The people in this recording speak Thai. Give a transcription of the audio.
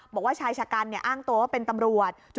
บอกว่าชายชะกันอ้างตัวว่าเป็นตำรวจ